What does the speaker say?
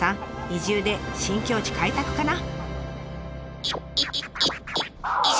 移住で新境地開拓かな？